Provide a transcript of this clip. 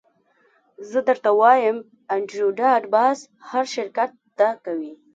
زه درته وایم انډریو ډاټ باس هر شرکت دا کوي